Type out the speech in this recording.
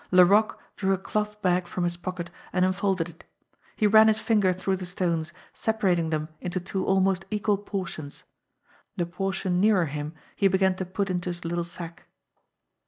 Laroque drew a cloth bag from his pocket and unfolded it. He ran his finger through the stones, separating them into two almost equal portions ; the portion nearer him he began to put into his little sack.